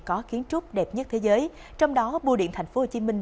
có kiến trúc đẹp nhất thế giới trong đó bưu điện thành phố hồ chí minh